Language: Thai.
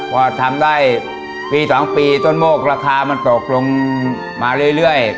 พอทำได้ปี๒ปีต้นโมกราคามันตกลงมาเรื่อย